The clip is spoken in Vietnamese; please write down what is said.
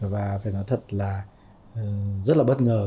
và phải nói thật là rất là bất ngờ